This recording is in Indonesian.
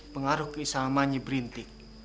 pengaruh keisaman nyai berintik